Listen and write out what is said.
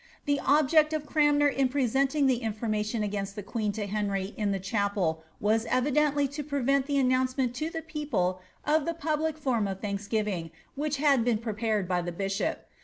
The object of Cranmer in preaentiiw the infena ation againat the queen to Henry in the chi^ waa evidentnr lo pmnat the announcement to the people of the public form of thankwiving, which had been prepared by the bishop.